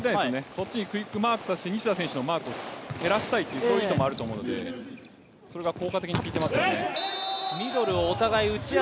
そっちにクイックマークさせて西田選手のマークを減らしたいというそういう意図もあると思うのでそれが効果的に効いていますよね。